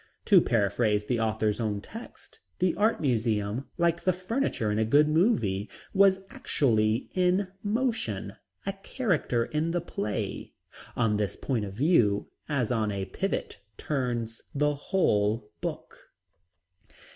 To paraphrase the author's own text, the art museum, like the furniture in a good movie, was actually "in motion" a character in the play. On this point of view as on a pivot turns the whole book.